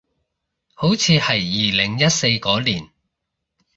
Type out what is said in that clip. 好似係二零一四嗰年